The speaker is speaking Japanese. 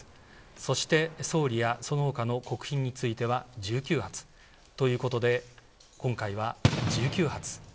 そして、総理やその他の国賓に関しては１９発ということで今回は１９発。